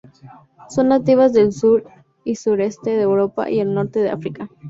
Son nativas del sur y sureste de Europa y el norte de África.